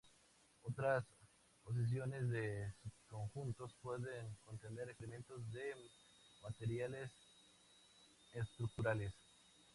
Otras posiciones de subconjuntos pueden contener experimentos de materiales estructurales.